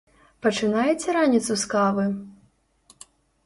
Пачынаеце раніцу з кавы?